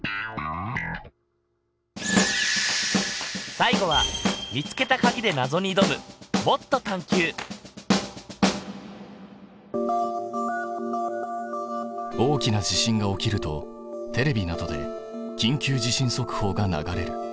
最後は見つけたかぎでなぞにいどむ大きな地震が起きるとテレビなどで「緊急地震速報」が流れる。